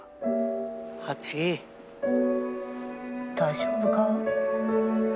ハチ大丈夫か？